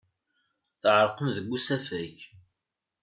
Tɛerqem deg usafag.